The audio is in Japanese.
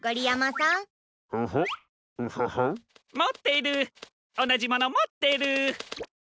もってるおなじものもってる。